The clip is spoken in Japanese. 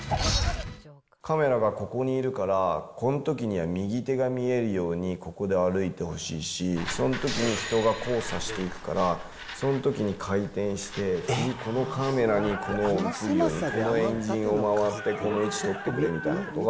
カメラがここにいるから、このときには右手が見えるようにここで歩いてほしいし、そのときに、人が交差していくから、そのときに回転して、次このカメラに映るように、この円陣で回って、この位置取ってくれみたいなことが。